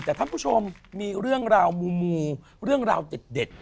แต่ท่านผู้ชมมีเรื่องราวมูเรื่องราวเด็ด